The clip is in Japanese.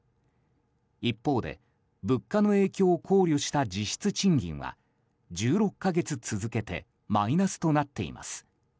一方で、物価の影響を考慮した実質賃金は１６か月続けてマイナスとなっています。